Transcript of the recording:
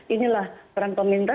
inilah peran peminta